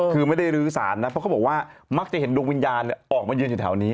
คือไม่ได้ลื้อสารนะเพราะเขาบอกว่ามักจะเห็นดวงวิญญาณออกมายืนอยู่แถวนี้